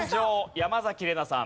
山崎怜奈さん